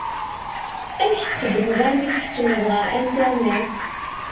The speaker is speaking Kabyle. Amek txeddmeḍ armi tkeččmeḍ ɣer Internet?